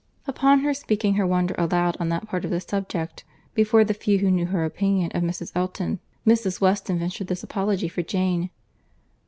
Upon her speaking her wonder aloud on that part of the subject, before the few who knew her opinion of Mrs. Elton, Mrs. Weston ventured this apology for Jane.